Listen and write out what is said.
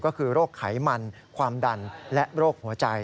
ก็คือโรคไขมันความดันและโรคหัวใจ